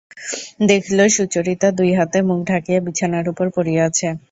দেখিল, সুচরিতা দুই হাতে মুখ ঢাকিয়া বিছানার উপর পড়িয়া আছে।